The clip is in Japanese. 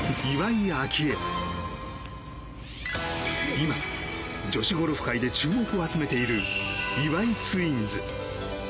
今、女子ゴルフ界で注目を集めている岩井ツインズ。